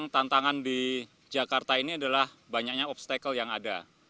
tantangan di jakarta ini adalah banyaknya obstacle yang ada